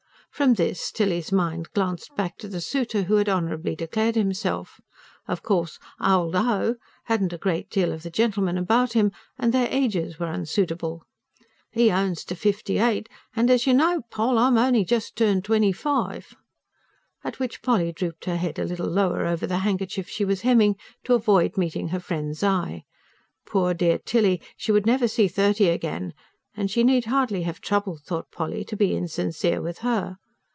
From this, Tilly's mind glanced back to the suitor who had honourably declared himself. Of course "old O." hadn't a great deal of the gentleman about him; and their ages were unsuitable. "'E owns to fifty eight, and as you know, Poll, I'm only just turned twenty five," at which Polly drooped her head a little lower over the handkerchief she was hemming, to avoid meeting her friend's eye. Poor dear Tilly! she would never see thirty again; and she need hardly have troubled, thought Polly, to be insincere with her.